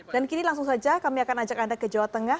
dan kini langsung saja kami akan ajak anda ke jawa tengah